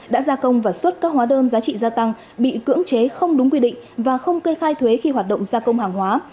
đã gia công và xuất các hóa đơn giá trị gia tăng bị cưỡng chế không đúng quy định và không kê khai thuế khi hoạt động gia công hàng hóa